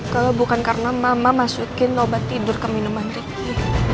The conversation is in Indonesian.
kalau bukan karena mama masukin obat tidur ke minuman ricky